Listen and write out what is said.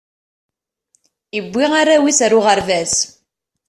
iwwi arraw is ar uɣerbaz